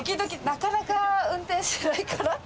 なかなか運転しないから。